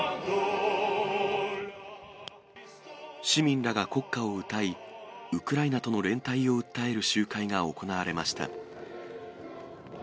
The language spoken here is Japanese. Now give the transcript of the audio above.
市民らが国歌を歌い、ウクライナとの連帯を訴える集会が行われました。